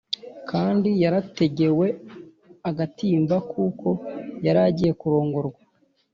Kandi yarategewe agatimba kuko yaragiye kurongorwa